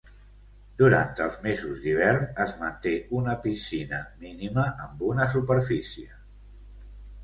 Durant els mesos d'hivern es manté una piscina mínima amb una superfície.